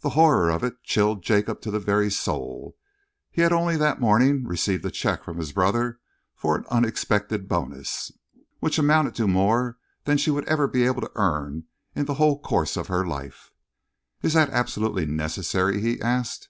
The horror of it chilled Jacob to the very soul. He had only that morning received a cheque from his brother for an unexpected bonus, which amounted to more than she would ever be able to earn in the whole course of her life. "Is that absolutely necessary?" he asked.